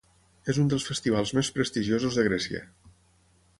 És un dels festivals més prestigiosos de Grècia.